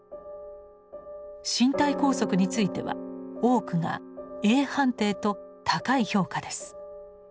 身体拘束については多くがａ判定と高い評価です。